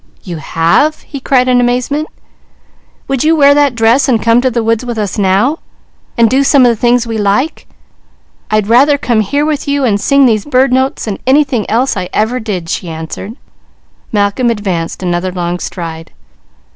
"You have?" he cried in amazement. "Would you wear that dress and come to the woods with us now, and do some of the things we like?" "I'd rather come here with you, and sing these bird notes than anything else I ever did," she answered. Malcolm advanced another long stride.